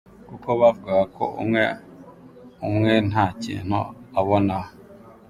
Kuko bavugaga ko umwe umwe nta kintu abonaho.